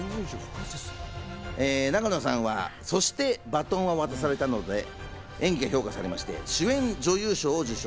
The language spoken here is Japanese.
永野さんは『そして、バトンは渡された』などでの演技が評価されまして主演女優賞を受賞。